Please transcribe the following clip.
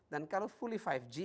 dan kalau fully lima g